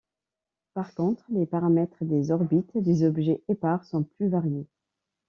Par contre, les paramètres des orbites des objets épars sont plus variées.